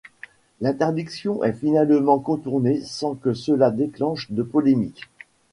L'interdiction est finalement contournée sans que cela déclenche de polémique.